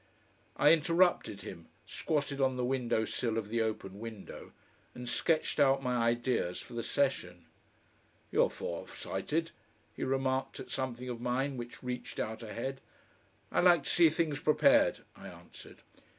I interrupted him, squatted on the window sill of the open window, and sketched out my ideas for the session. "You're far sighted," he remarked at something of mine which reached out ahead. "I like to see things prepared," I answered.